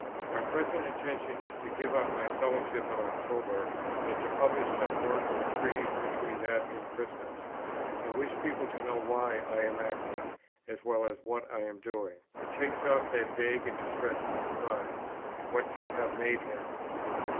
"My present intention is to give up my Fellowship in October, and to publish some work or treatise between that and Christmas. I wish people to know why I am acting, as well as what I am doing; it takes off that vague and distressing surprise, 'What can have made him?'"